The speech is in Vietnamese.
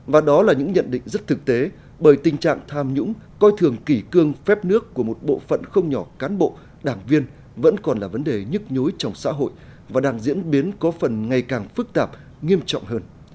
và đó là những nhận định rất thực tế bởi tình trạng tham nhũng coi thường kỷ cương phép nước của một bộ phận không nhỏ cán bộ đảng viên vẫn còn là vấn đề nhức nhối trong xã hội và đang diễn biến có phần ngày càng phức tạp nghiêm trọng hơn